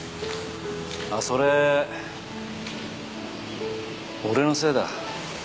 それ俺のせいだ。